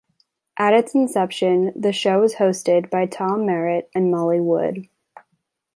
At its inception, the show was hosted by Tom Merritt and Molly Wood.